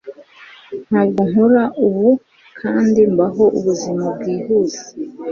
Ntabwo nkora ubu kandi mbaho ubuzima bwihuse.